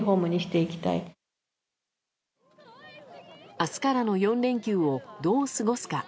明日からの４連休をどう過ごすか。